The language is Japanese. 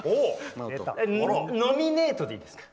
ノミネートでいいですか。